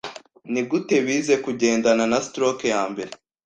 Nigute bize kugendana na stroke yambere